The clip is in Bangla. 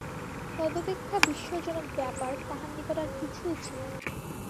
তদপেক্ষা বিস্ময়জনক ব্যাপার তাহার নিকট আর কিছুই ছিল না।